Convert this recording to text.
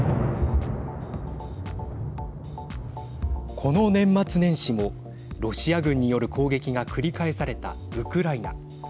この年末年始もロシア軍による攻撃が繰り返されたウクライナ。